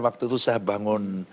waktu itu saya bangun